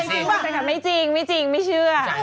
ตั้งแต่ตามไม่จริงไม่จริงไม่เชื่อ